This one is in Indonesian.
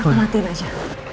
aku latihan aja